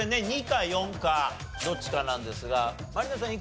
２か４かどっちかなんですが満里奈さん